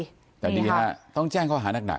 แต่ดีแล้วต้องแจ้งข้อหานักค่ะ